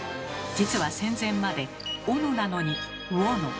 実は戦前まで「おの」なのに「をの」。